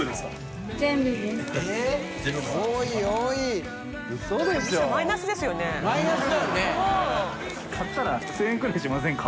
淵好織奪奸買ったら１０００円ぐらいしませんか？